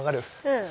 うん。